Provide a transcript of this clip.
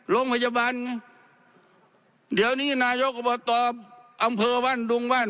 โรงพยาบาลไงเดี๋ยวนี้นายกอบตอำเภอบ้านดุงบ้าน